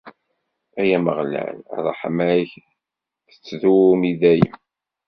Ay Ameɣlal, ṛṛeḥma-k tettdum i dayem!